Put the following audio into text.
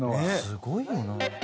すごいよな。